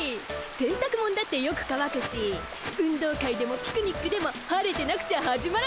せんたくもんだってよくかわくし運動会でもピクニックでも晴れてなくちゃ始まらねえ。